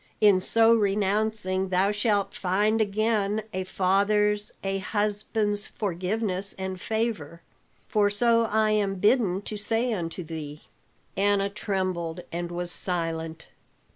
In so renouncing thou shalt find again a father's, a husband's forgiveness and favor. For so I am bidden to say unto thee." Anna trembled and was silent.